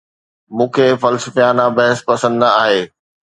مون کي فلسفيانه بحث پسند نه آهي